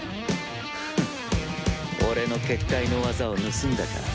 フッ俺の結界の技を盗んだか。